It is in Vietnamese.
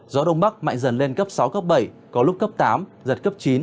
gió đông bắc mạnh dần lên cấp sáu cấp bảy có lúc cấp tám giật cấp chín